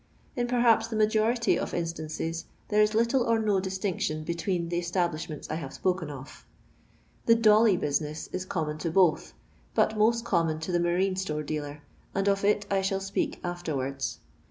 In perhaps the majority of instiness there is little or no distinction between the estt blishments I have spoken of. The doilif bnsinsii is common to both, but most common to the marine* store dealer, and of it I shall speak afterwards.